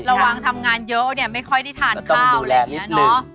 ระวังทำงานเยอะเนี่ยไม่ค่อยได้ทานข้าวต้องดูแลนิดนึง